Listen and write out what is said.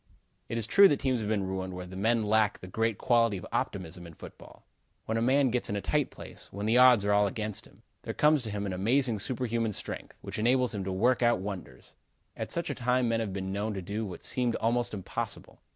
It is true that teams have been ruined where the men lack the great quality of optimism in football. When a man gets in a tight place, when the odds are all against him, there comes to him an amazing superhuman strength, which enables him to work out wonders. At such a time men have been known to do what seemed almost impossible.